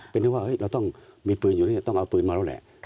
เป็นที่ว่าเราต้องมีปืนอยู่นี่ต้องเอาปืนมาแล้วแหละ